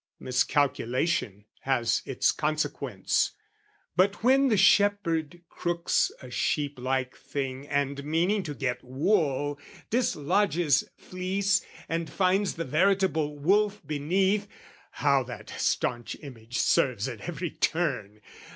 Miscalculation has its consequence; But when the shepherd crooks a sheep like thing And meaning to get wool, dislodges fleece And finds the veritable wolf beneath, (How that staunch image serves at every turn!)